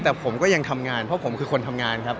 แต่ผมก็ยังทำงานเพราะผมคือคนทำงานครับ